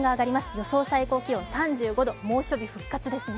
予想最高気温３５度、猛暑日復活ですね。